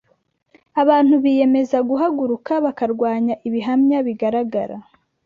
Abantu biyemeza guhaguruka bakarwanya ibihamya bigaragara